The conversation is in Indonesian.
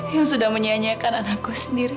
yang sudah menyanyikan anakku sendiri